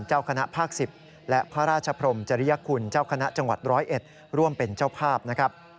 เจ้าคณะภาค๑๐และพระราชพรมจริยคุณเจ้าคณะจังหวัด๑๐๑ร่วมเป็นเจ้าภาพนะครับ